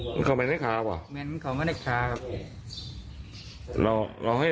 ลูกเอาข้างมากข้างนั้น